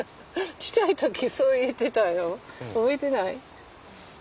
ちっちゃい時そう言ってたよ覚えてない？